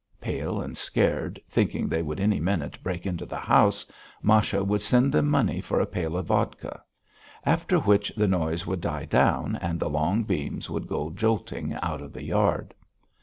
Pale and scared, thinking they would any minute break into the house, Masha would send them money for a pail of vodka; after which the noise would die down and the long beams would go jolting out of the yard.